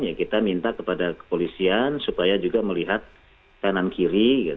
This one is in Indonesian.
ya kita minta kepada kepolisian supaya juga melihat kanan kiri